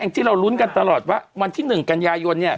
ที่เรารุ้นกันตลอดว่าวันที่๑กันยายน